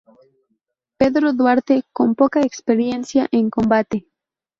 Pedro Duarte", con poca experiencia en combate.